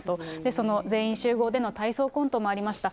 その全員集合での体操コントもありました。